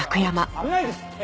危ないですって。